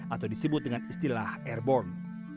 atau disebut dengan istilah airborne